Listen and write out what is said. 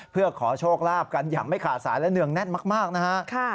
เพื่อขอโชคลาภกันอย่างไม่ขาดสายและเนืองแน่นมากนะฮะ